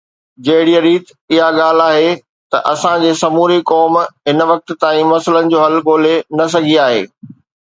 جهڙيءَ ريت اها الڳ ڳالهه آهي ته اسان جي سموري قوم هن وقت تائين مسئلن جو حل ڳولي نه سگهي آهي